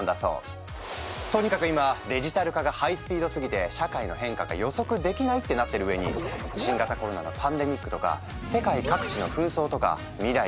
とにかく今デジタル化がハイスピードすぎて社会の変化が予測できないってなってるうえに新型コロナのパンデミックとか世界各地の紛争とか未来がより読めない。